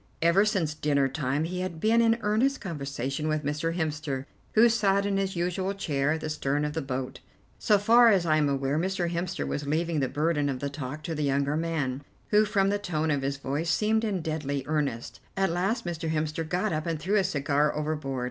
Ever since dinner time he had been in earnest conversation with Mr. Hemster, who sat in his usual chair at the stern of the boat. So far as I am aware, Mr. Hemster was leaving the burden of the talk to the younger man, who, from the tone of his voice, seemed in deadly earnest. At last Mr. Hemster got up and threw his cigar overboard.